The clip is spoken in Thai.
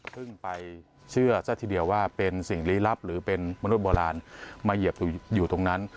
ไปเชื่อซะทีเดียวว่าเป็นสิ่งลี้ลับหรือเป็นมนุษย์โบราณมาเหยียบอยู่ตรงนั้น